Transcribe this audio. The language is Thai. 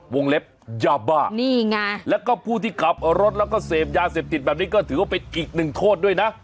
เล็บยาบ้านี่ไงแล้วก็ผู้ที่ขับรถแล้วก็เสพยาเสพติดแบบนี้ก็ถือว่าเป็นอีกหนึ่งโทษด้วยนะ